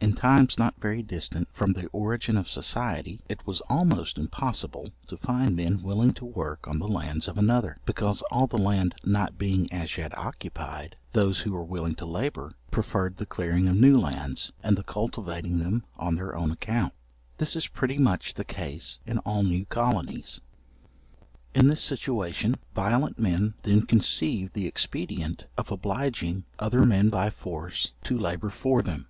In times not very distant from the origin of society, it was almost impossible to find men willing to work on the lands of another, because all the land not being as yet occupied, those who were willing to labour, preferred the clearing of new lands, and the cultivating them on their own account; this is pretty much the case in all new colonies. In this situation violent men then conceived the expedient of obliging other men by force to labour for them.